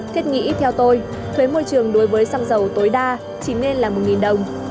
thiết nghĩ theo tôi thuế môi trường đối với xăng dầu tối đa chỉ nên là một đồng